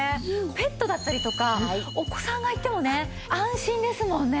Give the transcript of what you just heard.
ペットだったりとかお子さんがいてもね安心ですもんね。